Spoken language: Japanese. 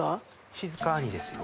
静かにですよ。